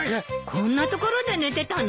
こんな所で寝てたの？